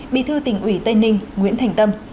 bí thư tỉnh ủy tây ninh nguyễn thành tâm